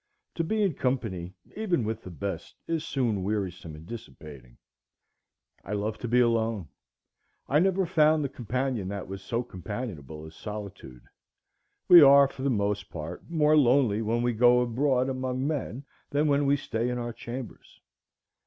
To be in company, even with the best, is soon wearisome and dissipating. I love to be alone. I never found the companion that was so companionable as solitude. We are for the most part more lonely when we go abroad among men than when we stay in our chambers.